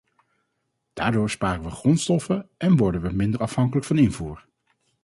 Daardoor sparen we grondstoffen en worden we minder afhankelijk van invoer.